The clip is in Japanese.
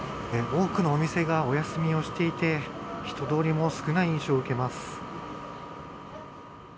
多くのお店がお休みをしていて人通りも少ない印象を受けます。